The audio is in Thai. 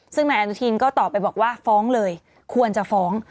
ซึ่งนายอนุทินก็ตอบไปบอกว่าฟ้องเลยควรจะฟ้อง